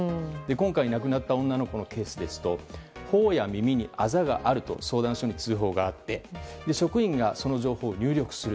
今回亡くなった女の子のケースですと頬や耳にあざがあると相談署に通報があって職員がその情報を入力する。